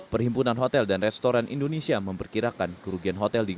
perhimpunan hotel dan restoran indonesia memperkirakan kerugian hotel